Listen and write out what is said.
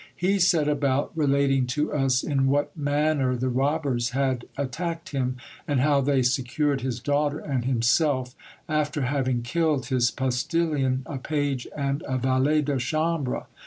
He set about relating to us in what manner the robbers had attacked him, and how they secured his daughter and himself, after having killed his postilion, a page, and a valet de chambre.